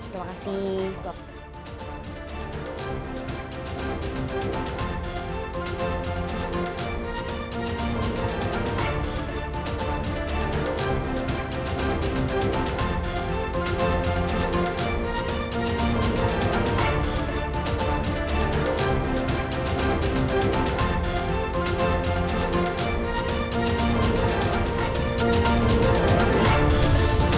terima kasih dok